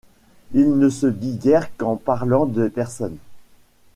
Il ne se dit guère qu'en parlant Des personnes.